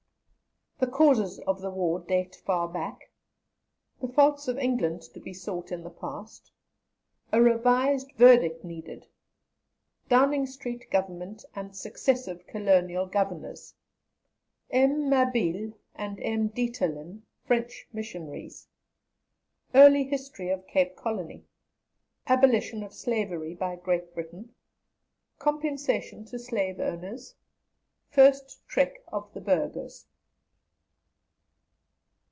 THE CAUSES OF THE WAR DATE FAR BACK. THE FAULTS OF ENGLAND TO BE SOUGHT IN THE PAST. A REVISED VERDICT NEEDED. DOWNING STREET GOVERNMENT AND SUCCESSIVE COLONIAL GOVERNORS. M. MABILLE AND M. DIETERLEN, FRENCH MISSIONARIES. EARLY HISTORY OF CAPE COLONY. ABOLITION OF SLAVERY BY GREAT BRITAIN. COMPENSATION TO SLAVE OWNERS. FIRST TREK OF THE BURGHERS.